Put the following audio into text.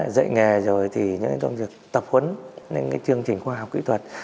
dạy nghề rồi thì tập huấn những cái chương trình khoa học kỹ thuật